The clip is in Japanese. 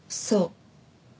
そう。